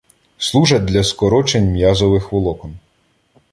Служать для скорочень м'язових волокон.